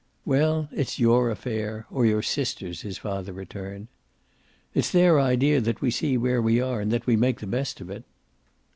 "Well, it's your affair or your sisters'," his father returned. "It's their idea that we see where we are and that we make the best of it."